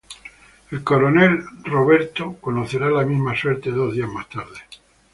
El coronel Robert conocerá la misma suerte dos días más tarde.